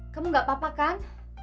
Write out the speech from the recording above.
kamu gak apa apa kan